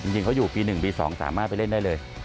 จริงเขาอยู่ปี๑ปี๒สามารถไปเล่นได้เลย